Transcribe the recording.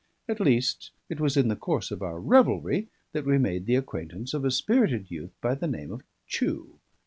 At least, it was in the course of our revelry that we made the acquaintance of a spirited youth by the name of Chew.